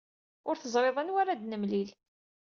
Ur teẓrid anwa ara d-nemlil.